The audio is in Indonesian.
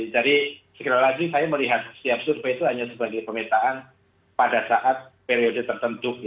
jadi sekitar lagi saya melihat setiap survei itu hanya sebagai pemintaan pada saat periode tertentu gitu